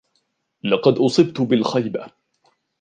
لقد أُصبت بالخيبة.